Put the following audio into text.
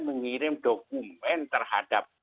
mengirim dokumen terhadap